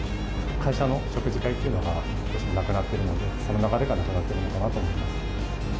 会社の食事会っていうのがなくなってるので、その流れがなくなっているのかなと思います。